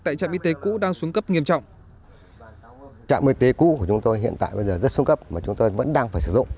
tại trạm y tế cũ đang xuống cấp nghiêm trọng